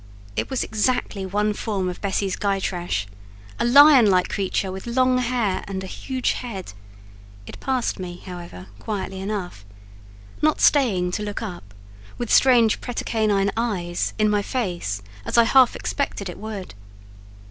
It was exactly one form of Bessie's Gytrash—a lion like creature with long hair and a huge head: it passed me, however, quietly enough; not staying to look up, with strange pretercanine eyes, in my face, as I half expected it would.